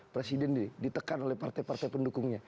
presiden ditekan oleh partai partai pendukungnya